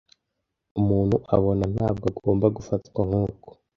Umuntu abona ntabwo agomba gufatwa nkuko